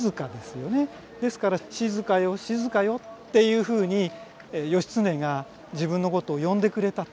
ですから「静よ静よ」っていうふうに義経が自分のことを呼んでくれたと。